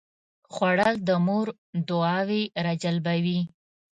خوړل د مور دعاوې راجلبوي